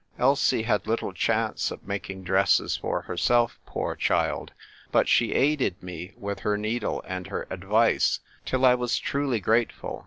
Elsie had little chance of making dresses for herself, poor child; but she aided me with her needle and her advice till I was truly grateful.